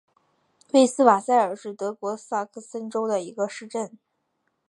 魏斯瓦塞尔是德国萨克森州的一个市镇。